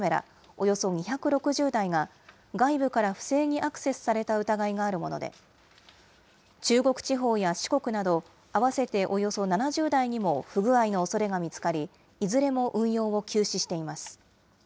およそ２６０台が、外部から不正にアクセスされた疑いがあるもので、中国地方や四国など、合わせておよそ７０台にも不具合のおそれが見つかり、いずれも運用を休止しています。